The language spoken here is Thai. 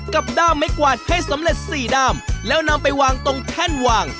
ด้ามไม้กวาดให้สำเร็จสี่ด้ามแล้วนำไปวางตรงแท่นวาง